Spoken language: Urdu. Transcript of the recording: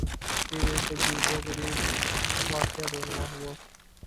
پھر ایک عجیب و غریب واقعہ رُونما ہوا